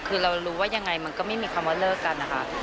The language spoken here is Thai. คือเรารู้ว่ายังไงมันก็ไม่มีคำว่าเลิกกันนะคะ